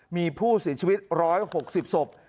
มีผู้เสียชีวิต๑๖๐ศพ